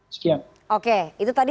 sekian oke itu tadi